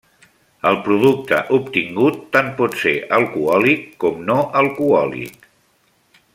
El producte obtingut tant pot ser alcohòlic com no alcohòlic.